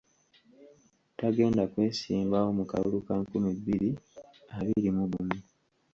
Tagenda kwesimbawo mu kalulu ka nkumi bbiri abiri mu gumu.